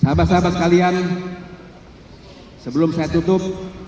sahabat sahabat sekalian sebelum saya tutup